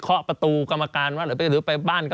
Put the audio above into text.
สำหรับสนุนโดยหวานได้ทุกที่ที่มีพาเลส